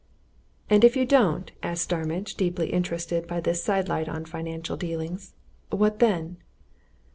"And if you don't?" asked Starmidge, deeply interested by this sidelight on financial dealings. "What then?"